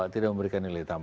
tidak memberikan nilai tambah